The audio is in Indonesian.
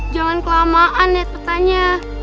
jangan kelamaan liat petanya